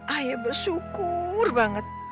ayah bersyukur banget